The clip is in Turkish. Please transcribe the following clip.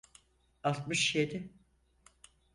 Altmış yedi.